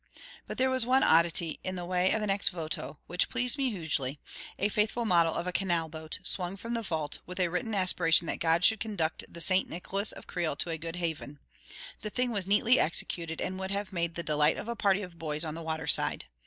But there was one oddity, in the way of an ex voto, which pleased me hugely: a faithful model of a canal boat, swung from the vault, with a written aspiration that God should conduct the Saint Nicolas of Creil to a good haven. The thing was neatly executed, and would have made the delight of a party of boys on the waterside.